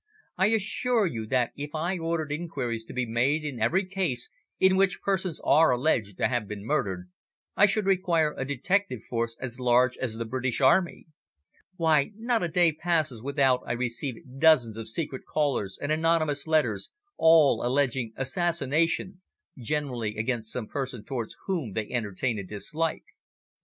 "I assure you that if I ordered inquiries to be made in every case in which persons are alleged to have been murdered, I should require a detective force as large as the British Army. Why, not a day passes without I receive dozens of secret callers and anonymous letters all alleging assassination generally against some person towards whom they entertain a dislike.